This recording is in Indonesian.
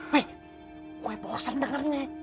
weh gue bosan dengarnya